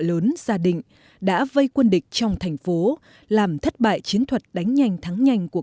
lớn ra định đã vây quân địch trong thành phố làm thất bại chiến thuật đánh nhanh thắng nhanh của